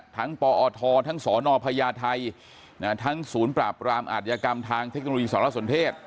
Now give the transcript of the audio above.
ทั้งปอททั้งสนพททั้งศูนย์ปราบรามอาทยากรรมทางเทคโนโลยีสหรัฐสนเทศ